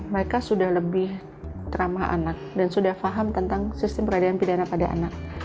mereka sudah lebih ramah anak dan sudah paham tentang sistem peradilan pidana pada anak